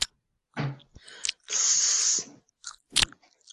-Тссс.